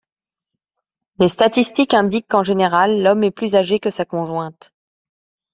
Les statistiques indiquent qu'en général l'homme est plus âgé que sa conjointe.